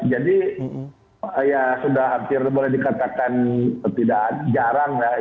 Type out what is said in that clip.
jadi ya sudah hampir boleh dikatakan tidak jarang ya